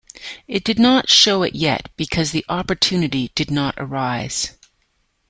It did not show it yet, because the opportunity did not arise.